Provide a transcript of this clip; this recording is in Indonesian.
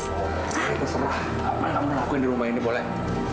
kita semua malah melakukan di rumah ini boleh